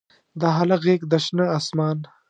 د هلک غیږ د شنه اسمان